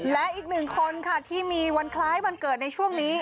และอีกหนึ่งคนค่ะที่มีวันคล้ายวันเกิดในช่วงนี้